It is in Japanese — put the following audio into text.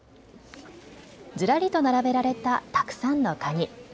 ずらりと並べられたたくさんのカニ。